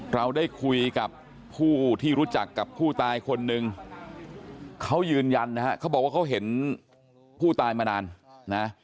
เราได้คุยกับผู้ที่รู้จักกับผู้ตายคนนึงเขายืนยันนะฮะเขาบอกว่าเขาเห็นผู้ตายมานานนะ